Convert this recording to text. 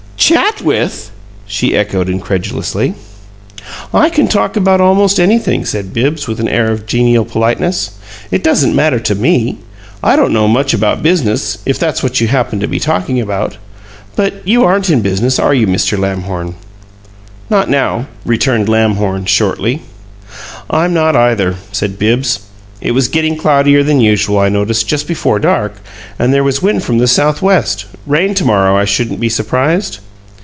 "'CHAT with'!" she echoed, incredulously. "I can talk about almost anything," said Bibbs with an air of genial politeness. "It doesn't matter to ME. I don't know much about business if that's what you happened to be talking about. But you aren't in business, are you, Mr. Lamhorn?" "Not now," returned Lamhorn, shortly. "I'm not, either," said Bibbs. "It was getting cloudier than usual, I noticed, just before dark, and there was wind from the southwest. Rain to morrow, I shouldn't be surprised."